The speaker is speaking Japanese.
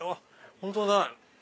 本当だ！